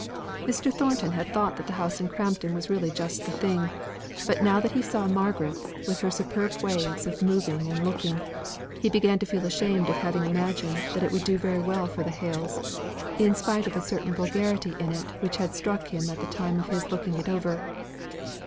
Mr. Thornton had thought that the house in Crampton was really just the thing; but now that he saw Margaret, with her superb ways of moving and looking, he began to feel ashamed of having imagined that it would do very well for the Hales, in spite of a certain vulgarity in it which had struck him at the time of his looking it over.